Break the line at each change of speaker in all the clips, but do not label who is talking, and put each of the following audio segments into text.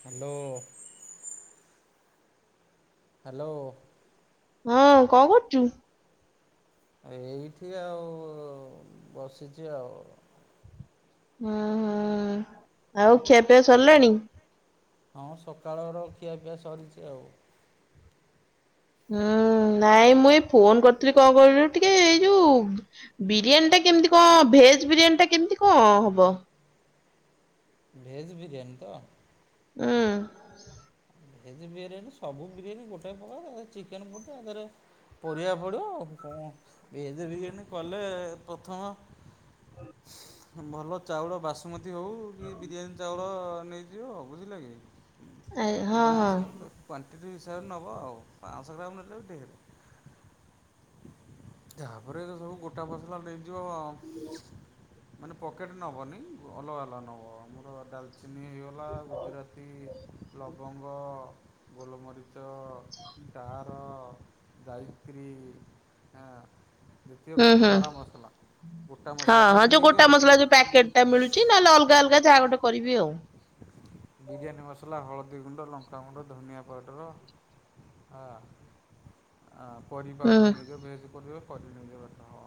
Hello. Hello.
ହଁ କଣ କରୁଛୁ?
ଏଇଠି ଆଉ ବସିଛି ଆଉ।
ହୁଁ- ହୁଁ ଆଉ ଖିଆପିଆ ସରିଲାଣି?
ହଁ ସକାଳର ଖିଆପିଆ ସରିଛି ଆଉ।
ହୁଁ ନାଇଁ ମୁଁ ଏଇ ଫୋନ କରିଥିଲି, କଣ କହିଲୁ ଟିକେ ଏଇ ଯୋଉ ବିରିୟାନୀଟା କେମିତି କଣ ଭେଜ ବିରିୟାନୀଟା କେମିତି କଣ ହବ?
ଭେଜ ବିରିୟାନି ତ?
ହୁଁ।
ଭେଜ ବିରିୟାନୀ ସବୁ ବିରିୟାନୀ ଗୋଟେ ପ୍ରକାର, ଆ ଧେରେ ଚିକେନ ପଡ଼ୁଚି ଆ ଧେରେ ପରିବା ପଡିବ ଆଉ କଣ, ଭେଜ ବିରିୟାନୀ କଲେ ପ୍ରଥମ
ହ
ଭଲ ଚାଉଳ ବାସୁମତୀ ହଉ କି ବିରିୟାନୀ ଚାଉଳ ନେଇଯିବ। ଆଉ ବୁଝିଲ କି?
ଆଁ।
ପାଞ୍ଚଶହ କ୍ଵାଣ୍ଟିଟି ହିସାବରେ ନବ ଆଉ, ପାଞ୍ଚଶହ ଗ୍ରାମ ନେଲେ ବି ଢେର ତାପରେ ତ ସବୁ ଗୋଟା ମସଲା ନେଇଯିବ ଆ ମାନେ ପକେଟ ନବନି, ଅଲଗା ଅଲଗା ନବ। ହଁ ଆମର ଡାଲଚିନି ହେଇଗଲା ଗୁଜୁରାତି ଲବ ଙ୍ଗ ଗୋଲମରି
ହ [inaudible]
ଜାଇତ୍ରି ହାଁ
ହୁଁ
ଯେତିକ
ହୁଁ।
ଖାଡା ମସଲା ଗୋଟା
ହଁ
ମସଲା
ହଁ
ସବୁ
ଯୋଉ ଗୋଟା
ନେଇଗଲେ
ମସଲା ଯୋଉ ପ୍ୟାକେଟ ଟା ମିଳୁଛି, ନହେଲେ ଅଲଗା ଅଲଗା ଯାହା ଗୋଟେ କରିବି ଆଉ।
ବିରିୟାନୀ ମସଲା ହ ହଳଦୀ ଗୁଣ୍ଡ, ଲଙ୍କାଗୁଣ୍ଡ, ଧନିଆ ପାଉଡ଼ର, ହା କରି
ହୁଁ
ପାଉଡ଼ର୍ ନେଇଯିବ ଭେଜ୍ କରିବେ କରି ନେଇଯବେ ହଁ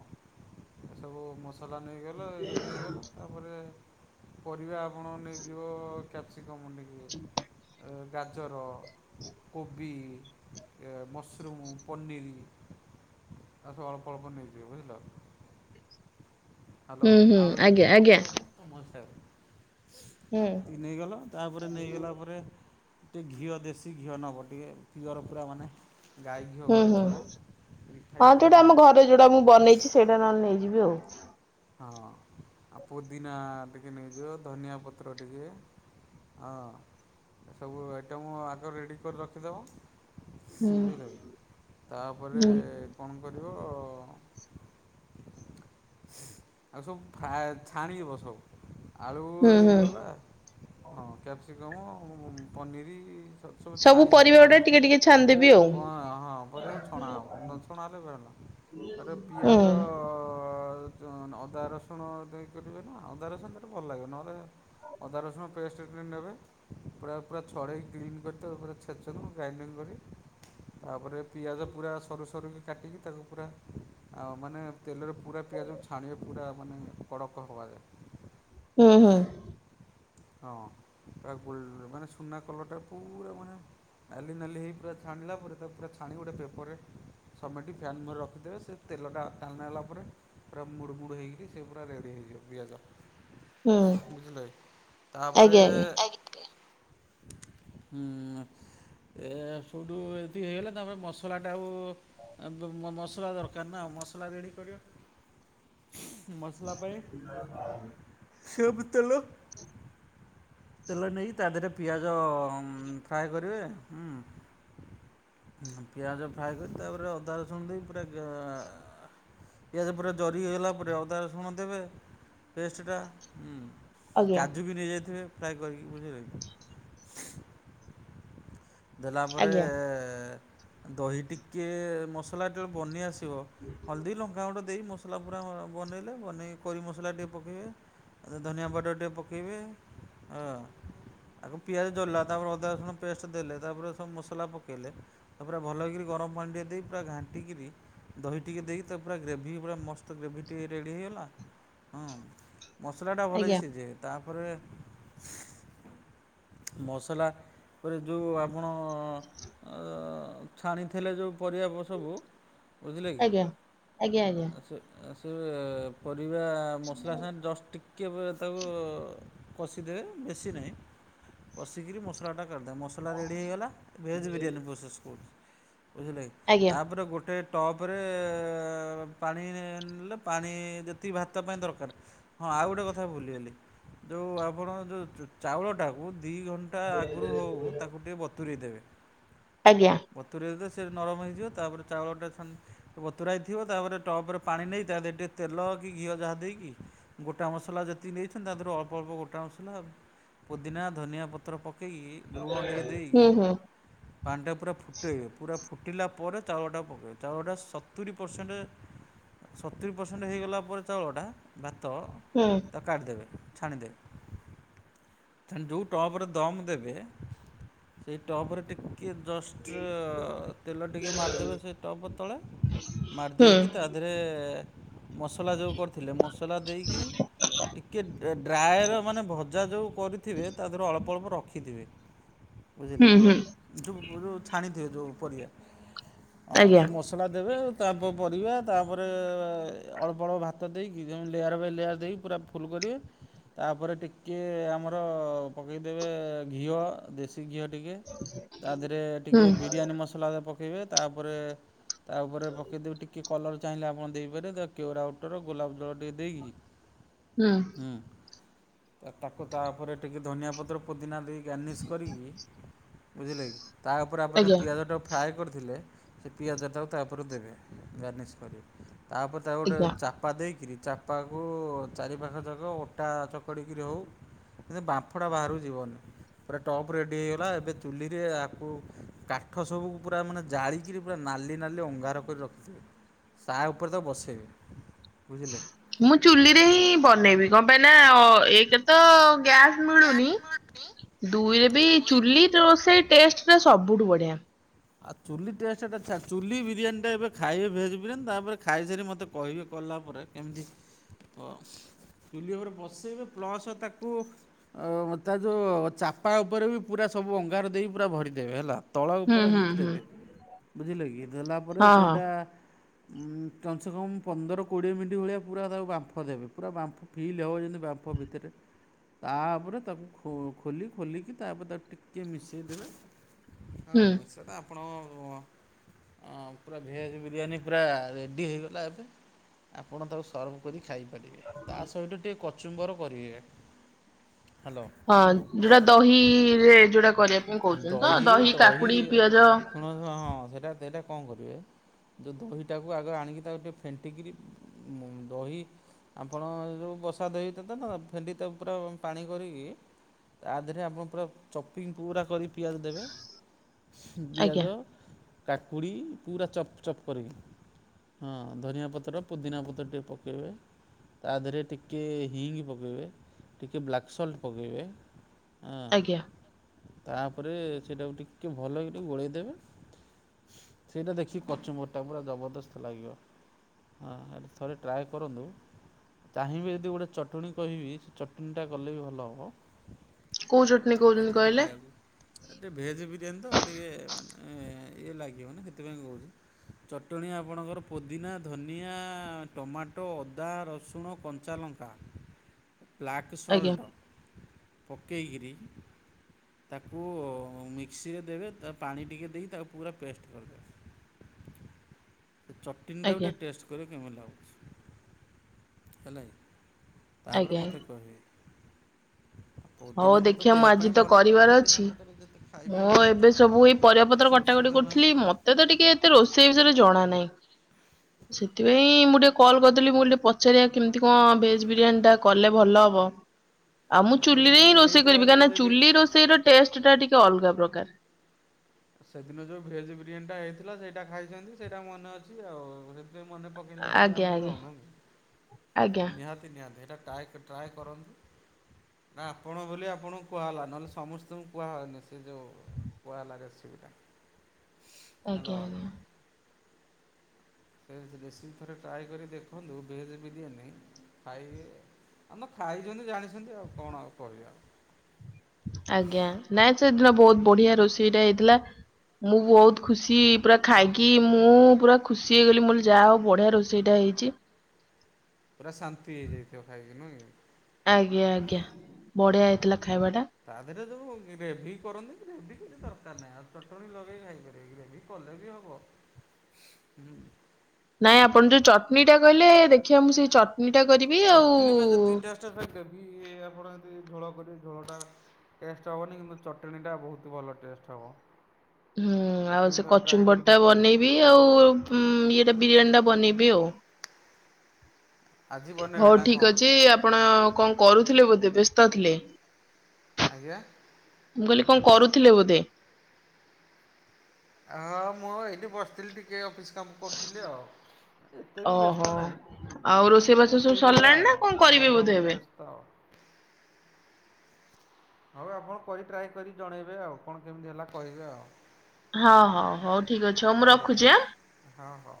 ସବୁ ମସଲା ମସଲା ନେଇଗଲ ଇ ନେଇଗଲ ତାପରେ ପରିବା ଆପଣ ନେଇଯିବ କ୍ୟାପ୍ସିକ ମୁଣ୍ଡିକ ଏ [inaudible] ଗାଜର, କୋବି, ଏ ମସରୁମ୍, ପନିର୍ ଆଉ ସବୁ ଅଳ୍ପ ଅଳ୍ପ ନେଇଯିବେ ବୁଝିଲ ହାଲୋ
ହୁଁ ହୁଁ
ଆଳୁ
ଆଜ୍ଞା
ଯଦି
ଆଜ୍ଞା
ପକେଇବ ତମ ହିସାବରେ।
ହୁଁ
ନେଇଗଲ ତାପରେ ନେଇଗଲା ପରେ ଟିକେ ଘିଅ ଦେଶୀ ଘିଅ ନବ ଟିକେ ପିଅର ପୁରା ମାନେ ଗାଈ ଘିଅ
ହୁଁ
ଘରେ
ହୁଁ
ଥିବ ରିଫାଇନ୍
ହଁ
ତେଲ
ଯୋଉଟା ଆମ ଘରେ ଯୋଉଟା ମୁଁ ବନେଇଛି ସେଇଟା ନହେଲେ ନେଇଯିବି ଆଉ
ହଁ ଆଉ ପୁଦିନା ଟିକେ ନେଇଯିବ ଧନିଆ ପତ୍ର ଟିକେ ହଁ ଏ ସବୁ ଆଇଟମ୍ ଆଗ ରେଡ଼ି କରି ରଖିଦେବ
ହୁଁ
ବୁଝିଲ ତାପରେ
ହୁଁ
କଣ କରି ଆ [inaudible] ଆଉ ସବୁ ଫ୍ରାଏ ଛାଣିଯିବ ସବୁ ଆଳୁ
ହୁଁ ହୁଁ।
ହେଇଗଲା ହଁ କ୍ୟାପ୍ସିକମ୍ ପନିର
ସବୁ ପରିବା ଗୋଟା ଟିକେ ଟିକେ ଛାନ୍ଦେି
ହ ହଁ ପ ଛୁଣାହବ ନଛୁଣା ହେଲେ ବେଳନ ଆରେ
ହୁଁ
ପିଆଜ ଅଦା ରସୁଣ ଦେଇ କରିବେ ନା ଅଦା ରସୁଣ ତାଟା ଭଲ ଲାଗେ ନହେଲେ ଅଦା ରସୁଣ ପେଷ୍ଟ ନେବେ ପୁରା ପୁରା ଛଡେଇକି୍ଲିନ କରିେ ପୁରା ଛେଚୁନୁ ଗ୍ରାଇଣ୍ଡିଙ୍ଗ ହ [inaudible] ତାପରେ ପିଆଜ ପୁରା ସରୁ ସରୁ କି କାଟିକି ତାକୁ ପୁରା ଆଉ ମାନେ ତେଲରେ ପୁରା ପିଆଜକୁ ଛାଣିବେ ପୁରା ମାନେ କଡ଼କ ହବାଯାଏ।
ହୁଁ ହୁଁ
ହଁ ନାଲି ନାଲି ହେଇ ପୁରା ଛାଣିଲା ପରେ ତାକୁ ପୁରାଛାଣି ଗୋଟେ ପେପରରେ ସମୟଟି ଫ୍ୟାନ୍ ମୋର ରଖିଦେବେ ସେ ତେଲଟା ଖାଲ ନ ହେଲା ପରେ ପୁରା ମୁଡ଼ ମୁୁଡ଼ ହେ ହୋଇକି ସେ ପୁରା ରେଡ଼ି ହୋଇଇଯଏ। ଇ
ହୁଁ
ବୁଝିଲେଇ ତାପରେ
ଆଜ୍ଞା
ହୁଁ ଏ ସବଠୁ ଏତିକି ହେଇଗଲା ତାମର ମସଲା ଟା ଆଉ ମସଲା ଦରକାର ନା ଆ ମସଲା ରେଡ଼ି କରିବ ମସଲା ପାଇଁ ସେବୁ ତଲ ତେଲ ନେଇକି ତା ଦେହରେ ପିଆଜ ଫ୍ରାଏ କରିବେ ହୁଁ ପିଆଜ ଫ୍ରାଏ କରି ତାପରେ ଅଦା ରସୁନ ଦେଇ ପୁରା ଇ ପୁର ଜରି ହେଇଗଲା ପଦ ଶୁଣ ଦେବେ ଟେଷ୍ଟ ଟା ହୁଁ
ଆ୍ଞା
କରିକି ବ [inaudible] ଦେଲା ପରେ
ଆଜ୍ଞା
ଦହି ଟିକେ ମସଲାେବେେଳଳେ ବନି ଆସ ସିବ ହଳଦୀ ଲଙ୍କାଗୁଟ ଦେଇ ମସଲା ପୁରା ବନେଇଲେ ବନେଇ କରି ମସଲା ଟିକେ ପକେଇବେ। ଆଚଛା ଧନିଆ ବଟର ଟିକେ ପକେଇବେି ହଁ ଆ ପିଆଜ ଜୋଲାତାନୁ ପେଷ୍ଟ ଦେଇଲେେ ତାପରେ ସବୁ ମସଲା ପକେଇଲେ ତାପା ଭଲ ହେକରି ଗରମ ପାଣିଏ ଦେଇ ପୁରା ଘାଣ୍ଟିକରି ଦହି ଟିକେ ଦେଇକି ତ ପୁରା ଗ୍ରେଭି ପୁରା ମସ୍ତ ଗ୍ରେଭି ଟିକ ରେଡି ହେଇଗଲା ହଁ ମସଲାଟା ଭଲକି
ଆଜ୍ଞା
ସିଝେଇବେ ତାପରେ ମସଲା ପରେ ଯଉ ଆପଣ ଛାଣିଥିଲେ ଯେଉଁ ପରିବାପ ସବୁ ବୁଝିଲେ କି
ଆଜ୍ଞା ଆଜ୍ଞା ଆଜ୍ଞା
ସେ ସେ ପରିବା ମସଲା ସାଙ୍ଗେ ଜଷ୍ଟ ଟିକ କେବେ ତାକୁ କଷିଦେବେ ବେଶୀ ନାହିଁ କଷିକିରି ମସଲାଟା କରିାଦେଏ ମସଲା ରେଡ଼ି ହେଇଗଲା ଭେଜ ବିରିୟାନୀ ପ୍ରୋସେସ କହୁଛି ବୁଝିଲେ
ଆଜ୍ଞା ଆଜ୍ଞା
ତାପରେ ଗୋଟେ ଟପରେ ପାଣି ନେଲେ ପାଣି ଯେତିକି ଭାତ ପାଇଁ ଦରକାର ହଁ ଆଉ ଗୋଟେ କଥା ଭୁଲିଗଲି ଯେଉଁ ଆପଣ ଯେଉଁ ଚାଉଳଟାକୁ ଦୁଇ ଘଣ୍ଟା ଆଗରୁ ହଉ ତାକୁ ଟିକେ ବତୁରଇ ଦେବେ
ଆଜ୍ଞା
ବତୁରେଇ ଦେ ସେ ନରମ ହେଇଯିବ ତାପରେ ଚାଉଳଟା ବତୁରାଇ ଥିବ ତାପରେ ଟପ୍ରରେ ପାଣି ନେଇ ତା ଦେହ ଟିକେ ତେଲ ଘିଅ ଯାହା ଦେଇକି ଗୋଟା ମସଲା ଯେତିକି ନେଇଛନ୍ତି ତା ଦେରେ ଅଳ୍ପ ଅଳ୍ପ ଗୋଟା ମସଲା ପୁଦିନା ଧନିଆ ପତ୍ର ପକ ପକି ଲୁଣ ଟିକେ
ହୁଁ
ଦେଇକି
ହୁଁ
ପାଣିଟା ପୁରା ଫୁଟେଇବେ ପୁରା ଫୁ ଫୁଟିଲା ପରେ ଚାଉଳଟା ପକେଇବା ଚାଉଳଟା ସତୁରି ପରସେଣ୍ଟ ସତୁରି ପରସେଣ୍ଟ ହେଇଗଲା ପରେ ଚାଉଳଟା ଭାତ
ହୁଁ
ତାକୁ କାଢ଼ିଦେବେ। ଛାଣିଦେବେ ଯେଉଁ ଟପ୍ରେ ଦମ୍ ଦେବେ ସେଇ ଟପରେ ଟିକ କିଏ ଜଷ୍ଟ ତେଲ ଟିକିଏ ମାରିଦେବେ ସେ ଟପ୍ ତଳେ ମାରି
ହୁଁ
ଦେଇେଇକି ତା ଦେହରେ ମସଲା ଯେଉଁ କରିଥିଲେ ମସଲା ଦେଇକରି ଟିକେ ଡ୍ରାଏର ମାନେ ଭଜା ଯେଉଁ କରିଥିବେ ତାଦିହରୁ ଅଳପ ଅଳ୍ ରଖ ଶଖିଥିବେ ବୁଝିଲେ
ହୁଁ ହୁଁ
ଯେଁ ଯେଉଁ ଛାଣିଥିବେ ଯେଉଁ ପରିବା। ହଁ
ଆଜ୍ଞା
ସେ ମସଲା ଦେବେ ତାପ ପରିବା ତାପରେ ଅଳ୍ପ ଅଳ୍ପ ଭାତ ଦେଇକି ଲେୟାର ବାଇ ଲେୟାର ଦେଇ ପୁରା ଫୁଲକୁ ତାପରେ ଟିକେ ଆମର ପକେଇ ଦେବେ ଘିଅ ଦେ ଘିଅ ଟିକେ ତା ଦେହରେ ଟିକେ
ହୁଁ
ବିରିୟାନୀ ମସଲା ପକେଇବେ ତାପରେ ତା ଉପରେ ପକାଇଦେବି ଟିକିେ କଲର୍ ଚାହିଁଲେ ଆପଣ ଦେଇପାରିବେ କେଉରା ଉଟର ଗୋଲାପ ଜଳ ଟିକେ ଦେଇକି
ହୁଁ।
ତା ତାକୁ ତାପରେ ଟିକିେ ଧନିଆ ପତ୍ର ପୁଦିନା ଦେଇ ଗାର୍ନିସ୍ କରିକି ବୁଝିଲେ କି ତା ଉପରେ ଆପଣ ଯଉ
ଆଜ୍ଞା
ପିଆଜ ଟା ଫ୍ରାଏ କରିଥିଲେ ସେ ପିଆଜ ଟାକୁ ତାପରେ ଦେବେ ଗାର୍ନିସ୍ କରି ତାପରେ ତାକୁ ଗୋଟେ
ଆଜ୍ଞା
ଚାପା ଦେଇକିରି ଚାପାକୁ ଚାରି ପାଖ ଯାକ ଅଟା ଚକଡ଼ିକିରି ହେଉ। ବାମ୍ଫଡା ବାହାରୁ ଯିବନି ପୁରା ଟପ ରେ ହେଇଗଲା ଏବେ ଚୁଲିରେ ଆକୁ କାଠ ସବୁକୁ ପୁରା ମାନେ ଜାଳିକରି ପୁରା ନାଲି ନାଲି ଅଙ୍ଗା ର କରି ରଖିଥିବେ ତା ଉପରେ ତାକୁ ବସେଇବ
ମୁଁ ଚୁଲିରେ ହିଁ ବନେଇବି କଣ ପାଇଁ ନା ଏକ ତ ଗ୍ୟାସ୍ ମିଳୁନି ଦୁଇରେ ବି
ଦୁଇ
ଚୁଲି ରୋଷେଇ ଟେଷ୍ଟ ଟା ସବୁଠୁ ବଢିଆ।
ଆଉ ଚୁଲି ଟେଷ୍ଟ ଟା ଚୁଲି ବିରିୟାନୀ ଟା ଏବେ ଖାଇବେ ଭେଜ ବିରିୟାନୀ ତାପରେ ଖାଇସାରି ମତେ କହିବେ କଲା ପରେ କେମିତି ତ ଚୁଲି ଉପରେ ବସେଇବେ ପ୍ଲସ୍ ତାକୁ ତା ଯୋଉ ଚାପା ଉପରେ ବି ପୁରା ସବୁ ଅଙ୍ଗାର ଦେଇ ପୁରା ଭରିଦେବେ ହେଲା।
ହୁଁ
ପୁରା
ହୁଁ
ହିଟ୍
ହୁଁ
ଦେବେ ବୁଝିଲେ କି ଦେଲା ପରେ
ହଁ ହଁ
ସେଇଟା କମ ସେ କମ୍ ପନ୍ଦର କୋଡ଼ିଏ ମିନିଟ୍ ଭଳିଆ ପୁରା ତାକୁ ବାମ୍ଫ ଦେବେ ପୁରା ବାମ୍ଫ ଫିଲ୍ ହେବ ଯେମିତି ବାମ୍ଫ ଭିତରେ ତାପରେ ତାକୁ ଖୋଲି ଖୋଲିକି ତାପରେ ତାକୁ ଟିକଏ ମିଶେଇ ଦେବେ। ହଁ
ହୁଁ।
ସେଟା ଆପଣ ହଁ ପୁରା ଭେଜ୍ ବିରିୟାନୀ ପୁରା ରେଡ଼ି ହେଇଇଗଲା ଏବେ ଆପଣ ତାକୁ ସର୍ଭ କରି ଖାଇପାରିବେ ତା ସହିତ ଟିକେ କଚୁମ୍ବର କରିବେ? ହ୍ୟାଲୋ
ହଁ ଯୋଉଟା ଦହିରେ ଯୋଉଟା କରିବା ପାଇଁ କହୁଛନ୍ତି ତ ଦହି କାକୁଡି ପି
ଶୁଣ ହଁ ହଁ ସେଟା ସେଇଟା କଣ କରିବେ? ଯେଉଁ ଦହିଟାକୁ ଆଗରୁ ଆଣିକି ତାକୁ ଟିକେ ଫେଣ୍ଟିକରି ଦହି ଆପଣ ଯେଉଁ ବସାଦହି ହେଇଥା ତ ନା ଫେଣ୍ଡି ତ ପୁରା ପାଣି କରିକି ତା ଦେହରେ ଆପଣ ପୁରା ଚପିଙ୍ଗ ପୁରା କରି ପିଆଜ ଦେବେ ପିଆଜ
ଆଜ୍ଞା
କାକୁଡ଼ି ପୁରା ଚପ ଚପ୍ କରିକି ହଁ ଧନିଆ ପତ୍ର ପୁଦିନା ପତ୍ର ଟିକେ ପକେଇବେ। ତା ଦେହରେ ଟିକେ ହିଙ୍ଗ ପକେଇବେ ଟିକେ ବ୍ଲାକ୍ ସଲ୍ଟ ପକେଇବେ।
ଆଜ୍ଞା
ହଁ ତାପରେ ସେଇଟାକୁ ଟିକେ ଭଲ କିରି ଗୋଳେଇ ଦେବେ। ସେଇଟା ଦେଖି କଚୁମର ଟା ପୁରା ଜବରଦସ୍ତ ଲାଗିବ। ହଁ ଥରେ ଟ୍ରାଏ କରନ୍ତୁ। ଚାହିଁବେ ଯଦି ଗୋଟେ ଚଟଣୀ କହିବି ସେ ଚଟଣୀ ଟା କଲେ ବି ଭଲ ହବ।
କୋଉ ଚଟଣି
ତା
କହୁଛନ୍ତି
ସହିତ
କହିଲେ
ଖାଇବାକୁ ଏ ଭେଜ ବି ତ ଟିକେ ଇଏ ଲାଗିବ ନା ସେଥିପାଇଁ କହୁଚି ଚଟଣି ଆପଣଙ୍କର ପୋଦିନା ଧନିଆ ଟମାଟୋ ଅଦା ରସୁଣ କଞ୍ଚା ଲଙ୍କ ବ୍ଲାକ
ଆଜ୍ଞା
ସଲ୍ଟ ପ ପକେଇକିରି ତାକୁ ଉ ନି ମିକ୍ସିରେ ଦେବେ ତା ପାଣି ଟିକେ ଦେଇ ତାକୁ ପୁରା ପେଷ୍ଟ କରିଦେବେ। ଚଟଣିୀଟାକୁ
ଆଜ୍ଞା
ଟିକେ ଟେଷ୍ଟ କର କେମିତି ଲାଗୁଛି ହେଲାକି। ତାପରେ
ଆଜ୍ଞା
ମୋତେ କହିବେ। ହ
ହଉ ଦେଖିବା ମୁଁ ଆଜି ତ କରିବାର ଅଛି
ପତ୍ର ଯେତେ ଖାଇବେ ବି
ମୁଁ ଏବେ
ବେଟର
ସବୁ ଏଇ ପରିବାପତ୍ର
କିଛି
କଟାକଟି
ଅସୁବିଧା
କରୁ
ନାହିଁ।
ଥିଲି ମତେ ତ ଟିକେ ଏତେ ରୋଷେଇ ବିଷୟରେ ଜଣା ନାଇଁ
ହ [inaudible]
ସେଥିପାଇଁ ମୁଁ ଟିକେ କଲ୍ କରିଦେଲି ମୁଁ ଟିକେ ପଚାରଆ କେମିତି କଣ ଭେଜ ବିରିୟାନୀ ଟା କଲେ ଭଲ ହବ।
ହଁ
ଚୁଲି ରେ ହିଁ ରୋଷେଇ କରିବି କାହିଁି ନା ଚୁଲି ରୋଷେଇ ର ଟେଷ୍ଟ ଟା ଟିକେ ଅଲଗା ପ୍ରକାର।
ସେଦିନ ଯୋଉ ଭେଜ ବିରିୟାନୀ ଟା ହେଇଥିଲା ସେଇଟା ଖାଇଛନ୍ତି ସେଇଟା ମନେ ଅଛି ଆଉ ତୁ ମନେ ପକେଇଲେ ଟିକେ
ଆଜ୍ଞା
ଆମକୁ
ଆଜ୍ଞା
ଆଉନ
ଆଜ୍ଞା
ନିହାତି ନିହାତି ଏଟା ଟ୍ରାଏ ଟ୍ରାଏ କରନ୍ତୁ। ନା ଆପଣ ବୋଲି ଆପଣଙ୍କୁ କୁହାହଲା ନହେଲେ ସମସ୍ତଙ୍କୁ କୁହାହନି ସେ ଯୋଉ କୁହା ହେଲା ରେସିପି।
ଆଜ୍ଞା ଆଜ୍ଞା।
ସେ ରେସିପି ଥରେ ଟ୍ରାଏ କରି ଦେଖନ୍ତୁ ଭେଜ ବିରିୟାନୀ ଖାଇବେ ଆମ ଖାଇଛନ୍ତି ଜାଣିଛନ୍ତି ଆଉ କଣ ଆଉ କରିବା।
ଆଜ୍ଞା ନାଇଁ ସେଦିନ ବହୁତ ବଢିଆ ରୋଷେଇଟା ହେଇଥିଲା। ମୁଁ ବହୁତ ଖୁସି ପୁରା ଖାଇକି ମୁଁ ପୁରା ଖୁସି ହେଇଗଲି ମୋ ଯାହା ହଉ ବଢିଆ ରୋଷେଇଟା ହେ ହେଇ
ପୁରା ଶାନ୍ତି ହେଇଯାଇଥିବ ଖାଇକି ନୁଁହେ କି?
ଆଜ୍ଞା ଆଜ୍ଞା ବଢିଆ ହେଇଥିଲା ଖାଇବା ଟା।
ତା ଦେହରେ ଯୋଉ ଗ୍ରେଭି କରନ୍ତି ଗ୍ରେଭି କିଛି ଦରକାର ନାହିଁ ଆଉ ଚଟଣିୀ ଲଗେଇ ଖାଇପାରିବେ ଗ୍ରେଭି କଲେ ବି ହବ। ହୁଁ
ନାଇଁ ଆପଣ ଯୋଉ ଚଟଣିୀ ଟା କହିଲେ ଦେଖିବା ମୁଁ ସେଇ ଚଟ
ଚଟନୀ ବା ଯେତିକି ଟେଷ୍ଟ ସେ ଗ୍ରେଭି ଆପଣ ଯେତି ଝୋଳ ଗୋଟେ ଝୋଟା ଟେଷ୍ଟ ହବନି କିନ୍ତୁ ଚଟଣି ଟା ବହୁତ ଭଲ ଟେଷ୍ଟ ହବ।
ହୁଁ ଆଉ ସେ କଚୁମ୍ବଡ ଟା
ଦେଖିବେ
ବନେଇବି ଆଉ ଇଏଟା ବିରିୟାନୀ ଟା ବନେଇବି ଆଉ।
ଆଜି ବନେଇବେ
ହଉ
ନା କଣ?
ଠିକ ଅଛି ଆପଣ କଣ କରୁଥିଲେ ବୋଧେ ବ୍ୟସ୍ତ ଥିଲେ।
ଆଜ୍ଞା।
ମୁଁ କହିଲି କଣ କରୁଥିଲେ ବୋଧେ।
ହଁ ମୁଁ ଏଇଠି ବସିଥିଲି ଟିକେ ଅଫିସ କାମ କରୁଥିଲି ଆଉ। ଏତେ ବି
ଓହୋ
ବ୍ୟସ୍ତ ନାହିଁ।
ଆଉ ରୋଷେଇବାସ ସବୁ
ସେଇଭଳିଆ
ସରିଲାଣି
ଆଉ
ନା କଣ କରିବେ ବୋଧେ
ମଝାମଝି
ଏବେ।
ବ୍ୟସ୍ତ ଆଉ। ହଉ ଆପଣ କରି ଟ୍ରାଏ କରି ଜଣେଇବେ ଆଉ କଣ କେମିତି ହେଲା କହିବେ ଆଉ।
ହଁ, ହଉ ହଉ ଠିକ୍ ଅଛି। ହଉ ମୁଁ ରଖୁଛି ଆ
ହଁ ହଉ।